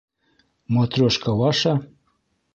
Матрешка ваша?!